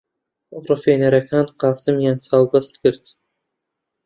ڕفێنەرەکان قاسمیان چاوبەست کرد.